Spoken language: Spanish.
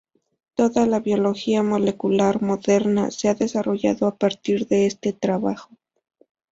Toda la biología molecular moderna se ha desarrollado a partir de este trabajo.